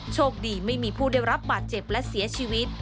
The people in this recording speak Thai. โชคดีไม่มีผู้ได้รับบาดเจ็บและเสียชีวิต